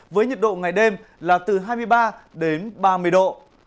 với nhiệt độ ngày đêm là từ hai mươi ba đến ba mươi độ